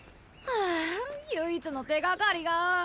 あぁあ唯一の手がかりが。